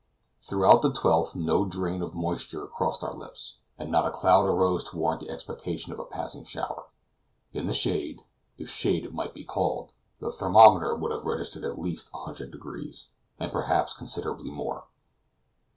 Throughout the 12th no drain of moisture crossed our lips, and not a cloud arose to warrant the expectation of a passing shower; in the shade, if shade it might be called, the thermometer would have registered at least 100 deg., and perhaps considerably more.